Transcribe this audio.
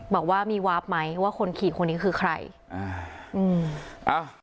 บอกว่ามีวาร์ฟไหมว่าคนขีดคนนี้คือใครอ้าว